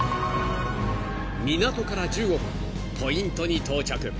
［港から１５分ポイントに到着］